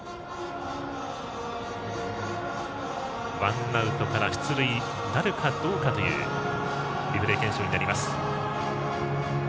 ワンアウトから出塁なるかどうかというリプレイ検証になります。